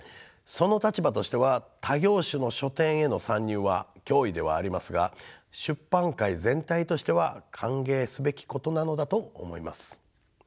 その立場としては他業種の書店への参入は脅威ではありますが出版界全体としては歓迎すべきことなのだと思います。